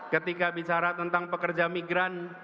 ketika bicara tentang pekerja migran